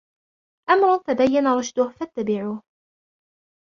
أَمْرٌ تَبَيَّنَ رُشْدُهُ فَاتَّبِعُوهُ